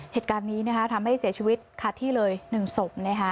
เหตุการณ์นี้ทำให้เสียชีวิตขาดที่เลย๑ศพ